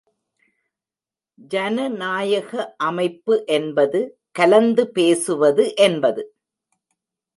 ஜனநாயக அமைப்பு என்பது கலந்து பேசுவது என்பது.